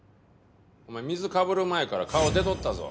お前水かぶる前から顔出とったぞ。